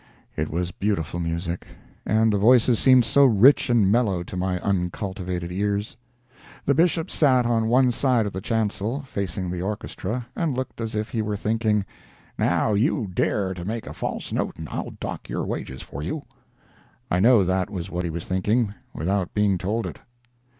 It was beautiful music, and the voices seemed so rich and mellow to my uncultivated ears. The Bishop sat on one side of the chancel, facing the orchestra, and looked as if he were thinking: "Now you dare to make a false note, and I'll dock your wages for you!" I know that was what he was thinking, without being told it.